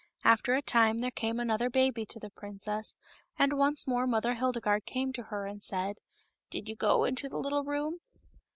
After a time there came another baby to the princess, and once more Mother Hildegarde came to her and said, " Did you go into the little room